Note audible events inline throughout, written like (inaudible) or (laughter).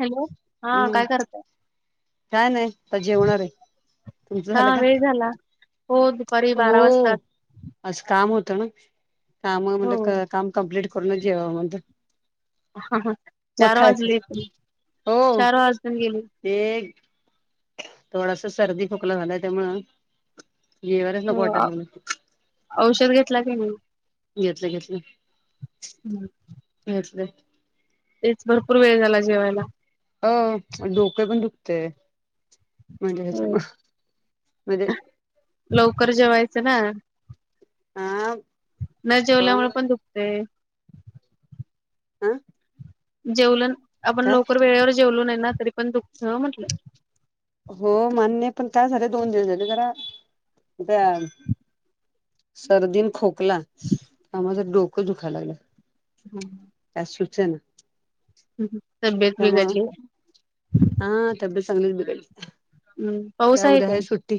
Hello हा काय हम्म करतय. काय नाही आता जेवणार आहे तुमचं झालं का. वेळ झाला हो दुपारी बारा वाजता. असं काम होत ना काम हो म्हणे काम कमप्लीट करूनचव म्हणत. चार मखा यथ वाजले तरी. हो चार वाजून गेले ते. थोडासा सर्दी फुकला झालाय त्यामु येवरच नको हो औ वाटायला लागल. औषध घेतला की नाही. घेतलं घेतलं. हम्म. ह. तेच भरपूर वेळ झाला जेवायला. अ डोके पण दुखते म्हणजे हो ह्याच्या म्हणजे. लवकर जेवायचं ना. हा. न जेवल्यामुळे पण दुखतेय. आह. जेवलं आपण लवकर वेळेवर जेवलो नाही ना तरी पण दुःख म्हटलं. हो मान्य पण काय झाले दोन दिवस झाले जरा. सर्दीन खोकला माझं डोक दुखायला लागलं हम्म त्या शूच ना हम् तब्येत बीघली हा तबल संांली बिघडली ह ते काय उद्या आहे सुट्टी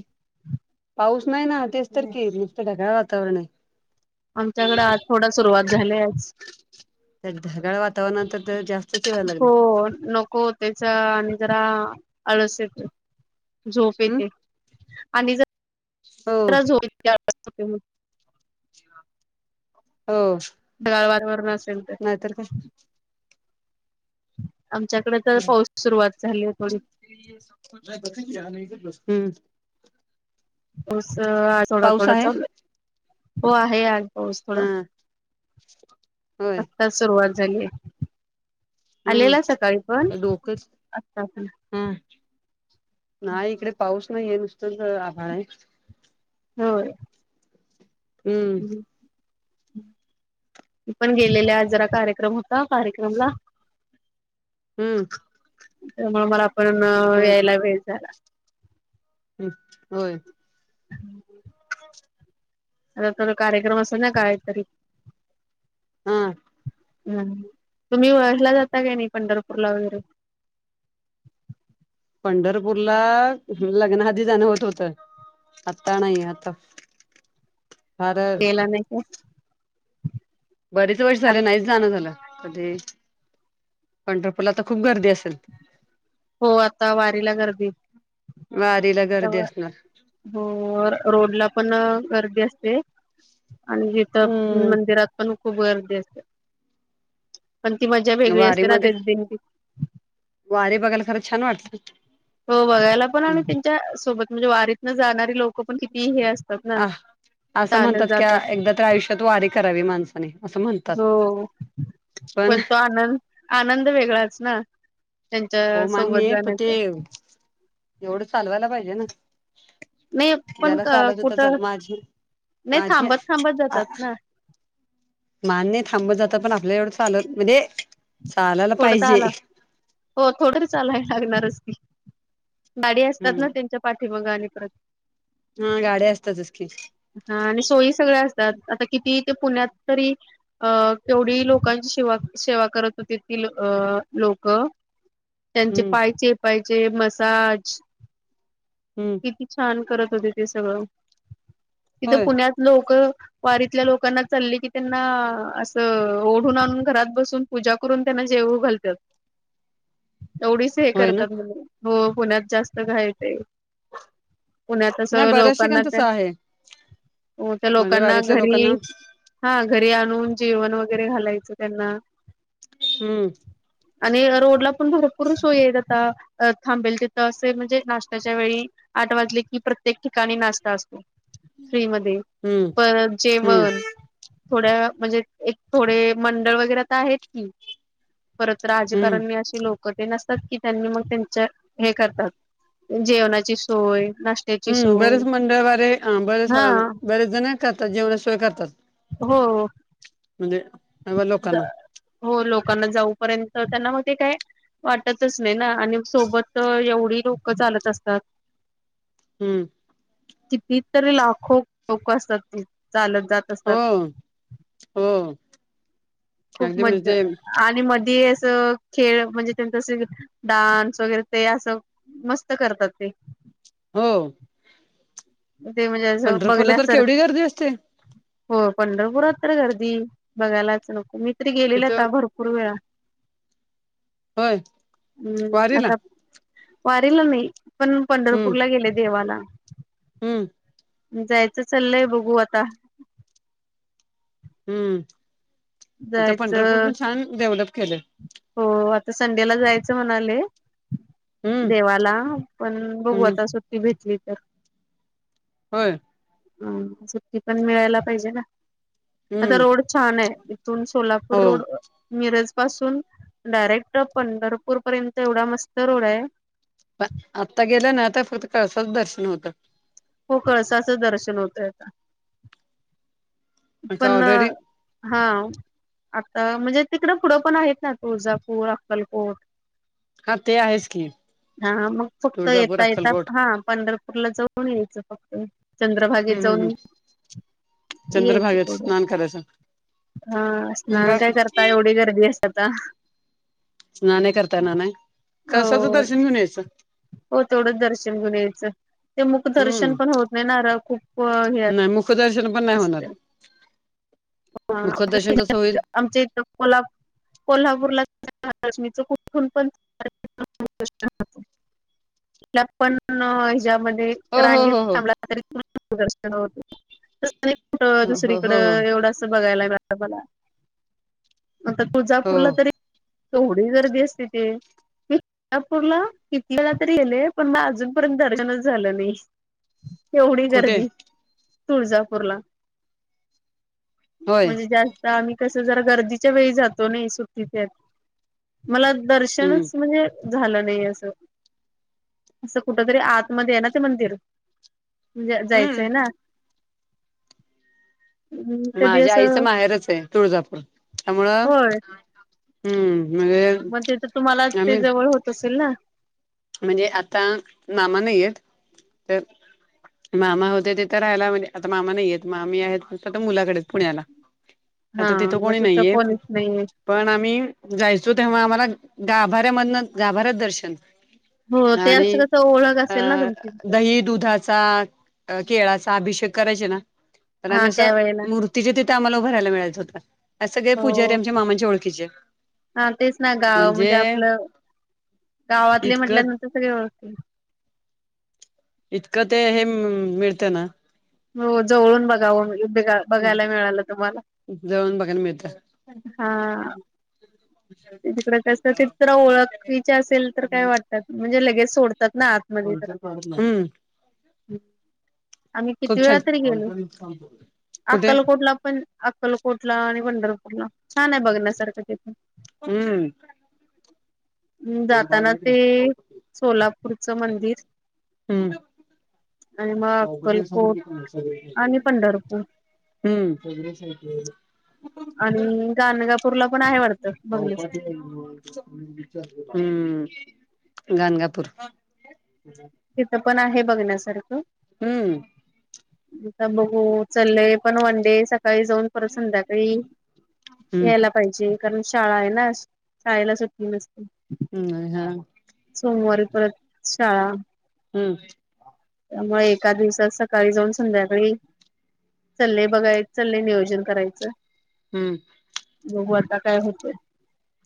पाऊस नाही ना तेच तर के ढगाळ वातावरण आहे आमच्याकडें आज थोडा सुरुवात झाले आज तर ढगाळ वातावरण तरर जास्तचेवा लागत हो नको त्याचा आणि जरा अळस येत झोप हम् येते आणि ज हो ज झप हो गाळवाारवरून असेल तर नाहीतर काय आमच्याकडे तर काय पाऊस सुरुवात झालीय थोडी हम्म पाऊस थोडा पाऊस थोडा आहे चालू हो आहे आज पाऊस थोडा हा होय आत्ताच सुरुवात झाली हम्म आलेला सकाळी पण डोकंच असता हम नाही इकडे पाऊस नाहीये नुसतंच आभाड आहे हो हम्म पण गेलेले जरा कार्यक्रम होता कार्यक्रमला (inaudible) हम्म त्यामु मला पण होय यायला वेळ झाला ह् होय हम् आ तर कार्यक्रम असेल ना कायतरी हा हम् तुम्ही वळला जाता काय नाही पंढरपूरला वगैरे पंढरपूरला लग्नाआधी जाणं होत होतं आतणयत तेला नाही का बरेच वर्ष झाले नाहीच जाणं झालं कधी पंढरपूरला तर खूप गर्दी असेल हो आता वारीला गर्दी वारीला गर्दी असणार. हो रोड ला पण गर्दी असते आणि जिथ हम्म मंदिरात पण खूप गर्दी असते पण ती मजा वेगळी असते ना ते दिन वारे बघाल खरच हो बघायला पण आणि त्यांच्या सोबत म्हणजे वारीतन जाणारी लोक पण किती हे असतात ना अ असं चालत म्हणतात की जातात एकदा तर आयुष्यात वारी करावी माणसाने असं म्हणतात हो पण तो आनंद आनंद वेगळाच ना हो त्यांच्या मान्य सोबत आहे पण ते जाण्याचा एवढं चालवायला पाहिजे ना नाही पण ज्याला चालत हो तर चाल कुठं माझी नाही माझी थांबत थांबत जातात ना मान नाही थांबत जात पण आपलं एवढं चालत म्हणजे चालायला थोड तर पाहिजे. आला हो थोड चालाय लागणारच ती गाडी असतात हम्म ना त्यांच्या पाठी मग आणि परत हा गाड्या असतात असी हा आणि सोयी सगळ्या असतात आता किती ते पुण्यात तरी अ केवढी लोकांची शेवा सेवा करत होती त अ लोक त्यांचे हम्म पायचे पायचे मसाज हम्म छान करत होते ते सगळं तिथं होय पुण्यात लोक वारीतल्या लोकांना चालली की त्यांना असं ओढून आणून घरात बसून पूजा करून त्यांना जेव घालतात एवढीच हे होय ना करतात म्हणजे हो पुण्यात जास्त घायचंय पुण्यात अस नाही बऱ्याच लोकांना ठिकाणतच आहे हो त्या म्हणजे लोकांना वारीतल्या लोकांना घरी हा घरी आणून जेवण वगैरे घालायचं त्यांना हम्म आणि रोडला पण भरपूर सोय येत आता थांबेल तिथं असे म्हणजे नाश्त्याच्या वेळी आठ वाजली की प्रत्येक ठिकाणी नाश्ता असतो फ्री म हम्म पण हम्म जेवण थोड्या म्हणजे एक थोडे मंडळ वगैरे तर आहेत की परत हम्म राजकारण मी अे लोक नसतात की त्यांनी मग त्यां हे करतात जेवणाची सोय नाश्त्याची हम्म सोय बरेच मंडळ वारे बरेच हा बरेच जण करतात जेवणाशिवाय करतात हो म्हजे हो लोकांना जाऊपर्यंत त्यांना मग ते काय वाटतच नाही ना आणि सोबत एवढी लोक चालत असतात हम्म किती तरी लाखो लोक असतात चालत जात ह असतात ह खूप मज्जा आणि मध्येी असं खेळ म्हणजे त्यांच डान्स वगैरे ते असं मस्त करतात ते हो ते म्हणजे असं पंढरपूरला तर बघण्यासारखं केवढी गर्दी असते हो पंढरपुरात तर गर्दी बघायलाच नको, मी त गेलेले तिथं आ भरपूर पुूड वेळा होय हम्म वारीला आता वारला नाही पण हम्म पंढरपूरला गेले देवाला हम्म जायचं चाललंय बघू आता हम्म आता पंढरपूर जायचं पण छान डेव्हलप केलं हो आता संडेला जायचं म्हणाले हम्म देवाला पण हम्म भगवता सुट्टी भेटली तर होय हम सु्टी पण मिळायला पाहिजे ना आता हम्म रोड छान आहे. इथून हो सोलापूर रोड मिरज पासून डायरेक्ट पंढरपूर पर्यंत एवढा मस्त रोड आहे. पण आत्ता गेलं ना. आता फक्त कळसाच दर्शन होतं. हो कळसाचं दर्शन होतय का. इप ना ऑलरेडी हा आता म्हणजे तिकडं पुढं पण आहेत ना तुळजापूर अक्कलकोट हा ते आहेच की हा मग फक्त तुळजापूर येता येता अक्कलकोट हा पंढरपूरला ज कोण यायचं फक्त चंद्रभागेत हम्म जाऊन यायच हच स्नान करायचं. हा स्नान काय करता एवढी गर्दी असतात आात नाण्या करताय नाना कळसाच हो दर्शन घेऊन यायचं. हो तेवढंच दर्शन घेऊन यायचं. ते मूक दर्शन पण हम्म होत नाही होणार खूप नाही मुखदर्शन पण नाही होणार असते मुखदर्शन कसं होईल. आमचे इथला कोल्हापूरला कुठून पण पण हांच्यामध्ये हो हो रांगेत हो हो थांबला तरीन हो, थेट हो दुसरीकड हो हो एवढं अस बघायला मिळा मला मग हो तुळजापूरला तरी तेवढी गर्दी असते. ते मी तुळजापूरला कीती वेळा तरी गेले पण मग अजूनपर्यंत दर्शनच झालं नाही. एवढी कुठे गर्दी तुळजापूरला.. होय म्हणजे जास्त आम्ही कस जरा गर्दीच्या वेळी जातो. नाही सुट्टीच्यात मला हम्म दर्शनच म्हणजे झालं नाही असं असं कुठ तरी आतमध्येध्ये आहे ना ते मंदिर जायचंय हम्म ना् माझ्या आईचं माहेरच आहे तुळजापूळ त्यामुळं होय हम् म्हणजे मग ते तर तुम्हाला ते आम्ही जवळ होत असेल ना, म्हणजे आता मामा नाहीयेत तर मामा होते तेथ तर राहायला म्हणजे आता मामा नाहीयेत मामी आहेत मुलाकडेच पुण्याला हा आता मग कोणी तिथं नाहीये कोणीच नाहीे. पण आम्ही जायचो तेव्हा आम्हाला गाभाऱ्यामधन गाभाऱ्यात दर्शन हो ते आणि असं कसं ओळख अ असेल ना तुमची तिथं दही दुधा केळाचा अभिषेक कराय ना आम हा त्या वेळेला तिच्या तिथे आम्हाला उभरायला मिळायचं हों, अस सगळे पूजारी हो आमच्या मामांच्या ओळखीचे हा तेच ना गाव म्हणजे आपलं गावातले इतकं म्हटल्यानंतर सगळे व्यवस्थ इतकं ते हे मिळते ना हो जवळून बघाव बघायला मिळालं तुम्हाला जवळून बघाय मिळत. हा तिकडे कस तित ओळखच असेल तर काय वाटत. म्हणजे लगेच सोडतात ना आत कोचर काढ (inaudible) आम्ही किती खूप वेळा छान तरी गेलो कुठे अक्कलकोटला पण अक्कलकोटला आणि पंढरपूरला छान आहे बघण्यासारखं तिथून हम्म ् जाताना ते सोलापूरचं मंदिर. हम्म आणि मग अक्कलकोट हम्म आणि पंढरपूर सग आणि गणगापूरला पण आहे वाटत बघण्यास हम्म गानगापूर तिथं पण आहे बघण्यासारखं हम्म. ता बघु- चाले पण वन डे सकाळी जाऊन परत संध्याकाळी हम्म. यायला. पाहिजे कारण शाळा आहे ना शाळेला सुट्टी नसते. हम् हा सोमवारी परत शाळा हां त्यामुळेग एका दिवसात सकाळी जाऊन संध्याकाळी चललेय बघाय चाले नियोजन करायचं. हम्म बघू आता काय होते.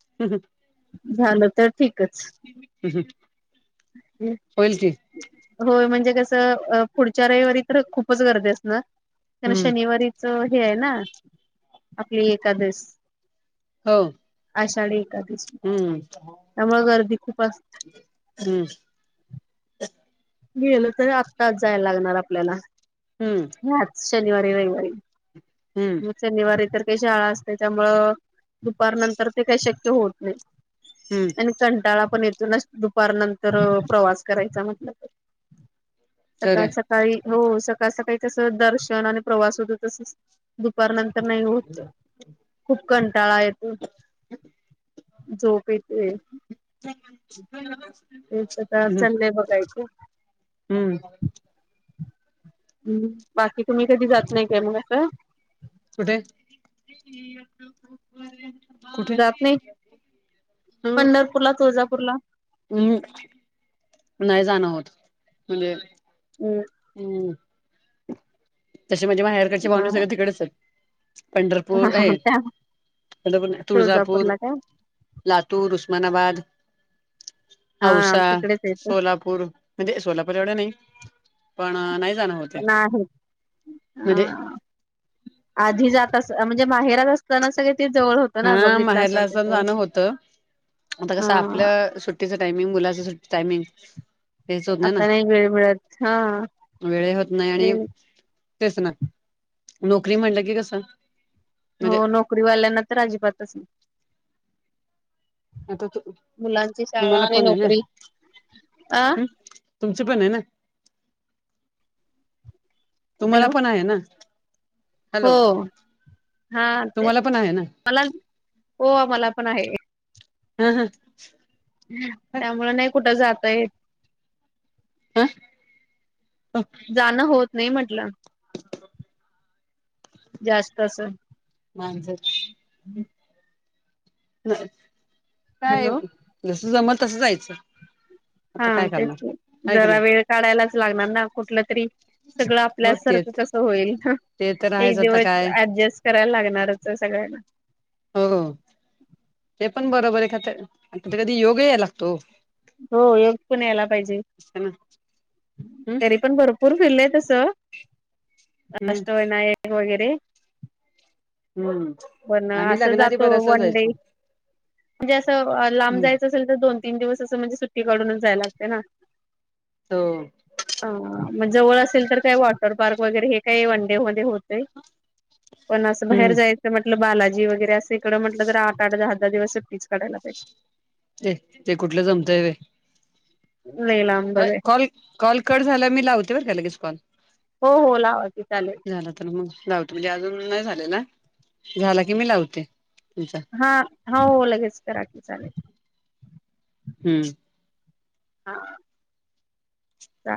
सगं (unintelligible) झालं तर ठीकच. हम् हम (unintelligible) ह (unintelligible) होय म्हणजे कसं, पुढच्या रविवारी तर खूपच गर्दी असनार. कारण हम्म शनिवारीच हे आहे ना, आपली एकादस. हो. आषाढी एकादशी, हम्म त्यामुळे गर्दी खूप असते. हम्म. गेलं तर आत्ताच जायला लागणार आपल्याला. हम्म. याच शनिवारी, रविवारी, हम्म. मग शनिवारी तर काही शाळा असते त्यामुळं दुपार नंतर ते काही शक्य होत नाही. हम्म. आणि कंटाळा पण येतो ना दुपार नंतर प्रवास करायचा म्हटल तर. सकाळ, खरंय सकाळी, हो सकाळ सकाळी तस दर्शन आणि प्रवास होत तस दुपार नंतर नाही होत खूप कंटाळा येतो. झोप येते तेच आता हम्म चले बघायचे. हम्म. हम्, बाकी तुम्ही कधी जात नाही काय मग असं? कुठे? कुठे जात नाही, पंढरपूर ला तुळजापूरला हम् (unintelligible) नाही जाणं आहोत म्हणजे (unintelligible) हम् (unintelligible) हम्. तसे माझ्या माहेरकडचे पाहुणे हा सगळे तिकडेच आहेत. पंढरपूर हा आहे. त्या पंढरपूर, तुळजापूर तुळजापूरला काय लातूर, उस्मानाबाद, हा औसा, तिकडेच येते सोलापूर पूर म्हणजे सोलापूर एवढे नाही, पण नाही जाणं होत. नाही. म्हणजे. आधी जात अस, म्हणजे माहेरात असताना सगळे ते जवळ होत. हा माहेरला अस जाणं होतं, आता कसं हा आपलं सुट तिचं टायमिंग, मुलाच टायमिंग तेच होत नाही ना, आता वेळ मिळत हा वेळ होत नाही आणि वेळ तेच ना, नोकरी म्हणलं की कसं म्हणजे हो नोकरीवाल्यांना तर अजिबातच नाही आता मुलांची शाळा तुम्हाला आणि पण आहे नोकरी अ तुमच पण आहे ना? तुम्हाला हॅलो पण आहे ना. हो, हॅलो हा, ते तुम्हाला पण आहे ना मला हो मला पण आहे. हा, हा, त्यामुळे नाही कुठं जाता येत. ह (unintelligible) जाणं होत नाही म्हटलं. जास्त अस. माणस काय हॅलो (unintelligible) जस जम तसं जायचं. हा आता काय तेच करणार आहे का जरा नाही वेळ काढायलाच लागणार ना कुठलं तरी सगळं आपल्या हो सारखं तेच कस होईल ते तर एक आहेच आता दिवस काय ऍडजस्ट करायला लागणारच सगळ्यांना हो ते पण बरोबर आहे ख तर कधी योग या लागतो. हो योग पण यायला पाहिजे ना. हम्म तरी पण बरोर पूर फिरलंय तस हम्म अष्टविनायक वगैरे हम्म बण आम्ही अस लग्नाआधी जातो बऱ्याचदा वन डे जायचो म्हणजे असं लांब जायचं. तर दोन तीन दिवस असं म्हणजे सुट्टीकडूनच जाय लागते ना. हो. ह मग जवळ असेल तर काही वॉटर पार्क वगैरे हे काही वनडे मध्ये होतय. पण असं बाहेर जायचं. म्हटलं बालाजी वगैरे असं इकडं म्हटलं तर आठ आठ दहा दहा दिवसट्टी क काढयला पाहिजे. ए ते कुठलं जमतय. लला कॉल कॉल कट झाला मी लावते बर काय लगेच कॉल हो हो लावाची चालेल. झाला तर मग लावतो म्हणजे अजून नाही झाले ना झाला की मी लावते तुमचा हा हो लगेच करा क चालेल. हम्म. ह का?